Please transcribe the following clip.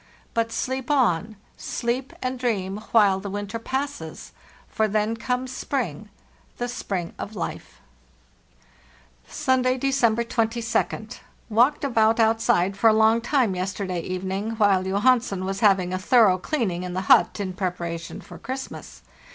But sleep on— sleep and dream, while the winter passes; for then comes spring—the spring of life ! "Sunday, December 22d. Walked about outside for a long time yesterday evening, while Johansen was havy ing a thorough clearing in the hut in preparation for Christmas.